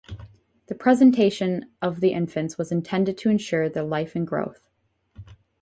The presentation of the infants was intended to ensure their life and growth.